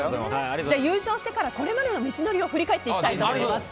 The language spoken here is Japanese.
優勝してからこれまでの道のりを振り返っていきたいと思います。